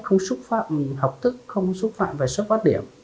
không xúc phạm nhân cách không xúc phạm học thức không xúc phạm về xuất phát điểm